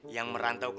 yang merantau ke luar